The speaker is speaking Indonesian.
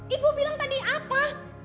ibu bilang tadi apa